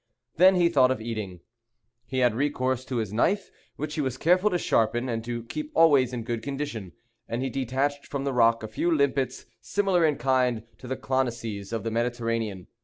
Then he thought of eating. He had recourse to his knife, which he was careful to sharpen, and to keep always in good condition; and he detached from the rock a few limpets, similar in kind to the clonisses of the Mediterranean.